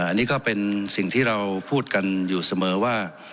อันนี้ก็เป็นสิ่งที่เราพูดกันอยู่เสมอว่า